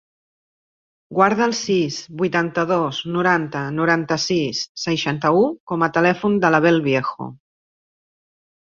Guarda el sis, vuitanta-dos, noranta, noranta-sis, seixanta-u com a telèfon de l'Abel Viejo.